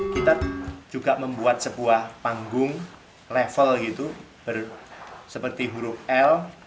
kita juga membuat sebuah panggung level gitu seperti huruf l